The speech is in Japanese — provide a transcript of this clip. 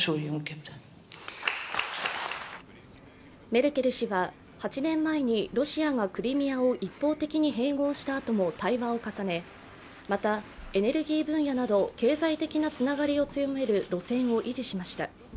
メルケル氏は８年前にロシアがクリミアを一方的に併合したあとも対話を重ね、またエネルギー分野など経済的なつながりを強める路線を維持しました。